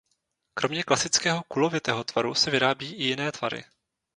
Kromě klasického kulovitého tvaru se vyrábí i jiné tvary.